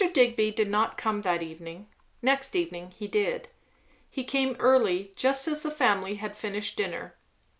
Digby did not come that evening. Next evening he did. He came early, just as the family had finished dinner.